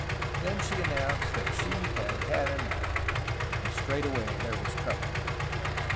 Then she announced that she had had enough. And straightway there was trouble.